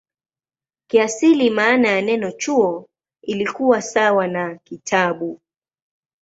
Kiasili maana ya neno "chuo" ilikuwa sawa na "kitabu".